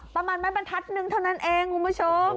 ประมาณไม่บรรทัศนึงเท่านั้นเองคุณผู้ชม